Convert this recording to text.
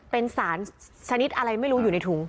เป็นสารชนิดอะไรไม่รู้อยู่ในถุง